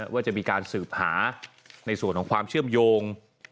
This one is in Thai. ว่าจะมีการสืบหาในส่วนของความเชื่อมโยง